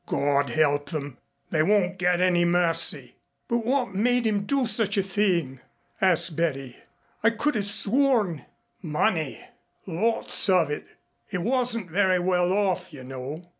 God help them! They won't get any mercy." "But what made him do such a thing?" asked Betty. "I could have sworn " "Money lots of it. He wasn't very well off, you know."